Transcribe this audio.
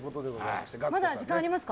まだ時間ありますか？